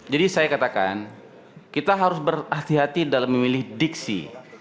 jadi saya katakan kita harus berhati hati dalam memilih diksi